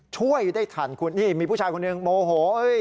ช่วยอยู่ได้ทันมีผู้ชายคนหนึ่งโมโห